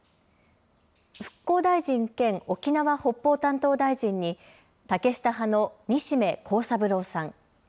復興大臣兼沖縄・北方担当大臣に竹下派の西銘恒三郎さん。